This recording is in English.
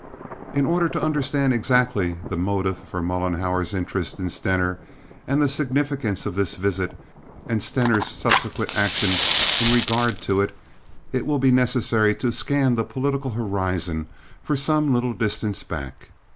In order to understand exactly the motive for Mollenhauer's interest in Stener, and the significance of this visit and Stener's subsequent action in regard to it, it will be necessary to scan the political horizon for some little distance back.